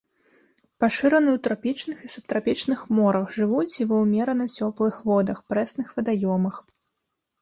Пашыраны ў трапічных і субтрапічных морах, жывуць і ва ўмерана цёплых водах, прэсных вадаёмах.